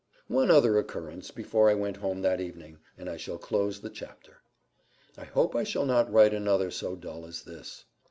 One other occurrence before I went home that evening, and I shall close the chapter. I hope I shall not write another so dull as this.